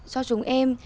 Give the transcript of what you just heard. cho chúng em